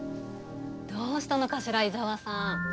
どうしたのかしら井沢さん。